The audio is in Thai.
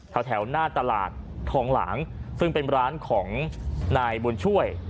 แถวหน้าตลาดทองหลางซึ่งเป็นร้านของนายบุญช่วย